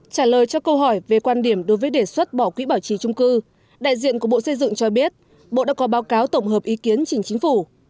trả lời cho câu hỏi về quan điểm đối với đề xuất bỏ quỹ bảo trì trung cư đại diện của bộ xây dựng cho biết bộ đã có báo cáo tổng hợp ý kiến chính chính phủ